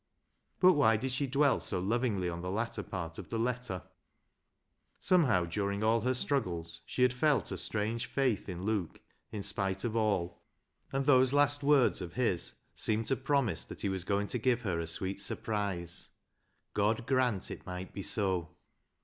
But why did she dwell so lovingly on the latter part of the letter ? Somehow during all her struggles she had felt a strange faith in Luke in spite of all, and those last words of his seemed to promise that he was going to give LEAH'S LOVER 97 her a sweet surprise. " God grant it might be so!"